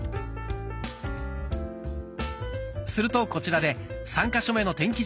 するとこちらで３か所目の天気